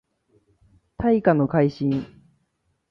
大化の改新